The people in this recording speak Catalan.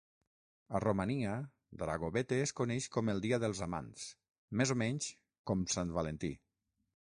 A Romania, Dragobete es coneix com el dia dels amants, més o menys com Sant Valentí.